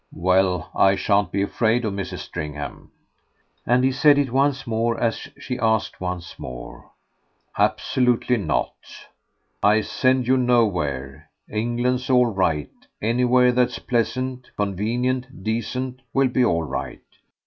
"Well, I shan't be afraid of Mrs. Stringham." And he said it once more as she asked once more: "Absolutely not; I 'send' you nowhere. England's all right anywhere that's pleasant, convenient, decent, will be all right.